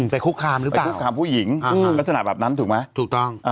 แต่คุกคามหรือเปล่าคุกคามผู้หญิงลักษณะแบบนั้นถูกไหมถูกต้อง